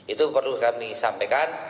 itu perlu kami sampaikan